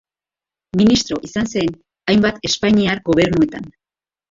Ministro izan zen hainbat espainiar gobernuetan.